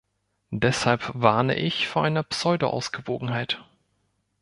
Deshalb warne ich vor einer Pseudoausgewogenheit.